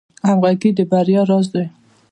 همغږي د بریا راز دی